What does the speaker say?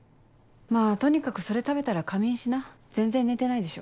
まぁとにかくそれ食べたら仮眠しな全然寝てないでしょ。